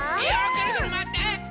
ぐるぐるまわって！